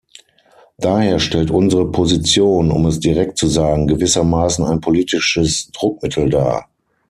Daher stellt unsere Position, um es direkt zu sagen, gewissermaßen ein politisches Druckmittel dar.